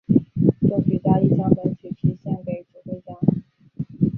作曲家亦将本曲题献给指挥家。